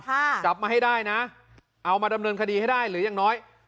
จับมาให้ได้นะเอามาดำเนินคดีให้ได้หรือยังน้อย